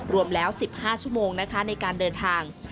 รวมแล้ว๑๕ชั่วโมงนะคะในการเดินทาง